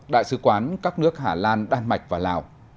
đại sứ quán các nước hà lan đan mạch và lào